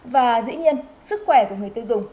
và dĩ nhiên sức khỏe của người tiêu dùng